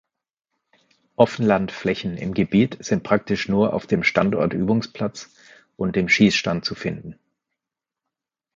Offenlandflächen im Gebiet sind praktisch nur auf dem Standortübungsplatz und dem Schießstand zu finden.